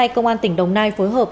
công an tỉnh đồng nai phối hợp